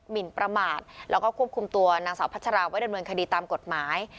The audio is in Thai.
หินประมาทแล้วก็ควบคุมตัวนางสาวพัชราไว้ดำเนินคดีตามกฎหมาย